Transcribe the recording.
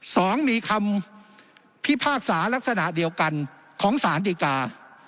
สองมีคำพิพากษาลักษณะเดียวกันของสารดีกา